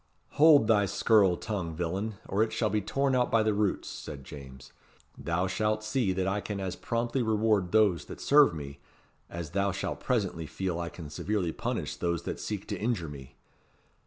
"Hold thy scurril tongue, villain, or it shall be torn out by the roots," said James. "Thou shalt see that I can as promptly reward those that serve me, as thou shalt presently feel I can severely punish those that seek to injure me.